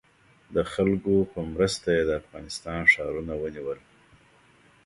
د خلکو په مرسته یې د افغانستان ښارونه ونیول.